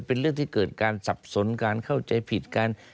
เป็นเรื่องที่เกิดการสับสนการเข้าใจผิดกัน